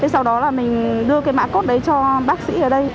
sau đó mình đưa cái mã code đấy cho bác sĩ ở đây